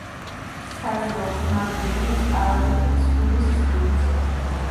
საზრდოობს მარილიანი წყაროებით და წვიმის წყლით.